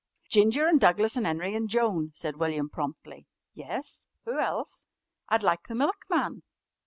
"Ginger an' Douglas an' Henry and Joan," said William promptly. "Yes? Who else?" "I'd like the milkman."